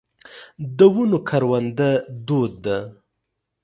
د ونو کرونده دود ده.